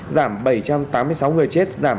giảm tám mươi sáu người chết